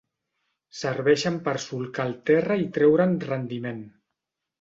Serveixen per solcar el terra i treure'n rendiment.